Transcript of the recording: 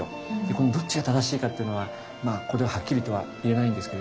このどっちが正しいかっていうのはここでははっきりとは言えないんですけれども。